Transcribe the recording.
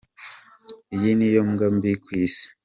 Iyi niyo mbwa mbi ku isi.